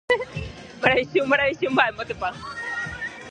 Maravichu, maravichu, mba'émotepa.